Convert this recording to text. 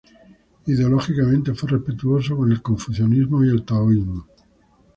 Ideológicamente fue respetuoso con el confucianismo y el taoísmo.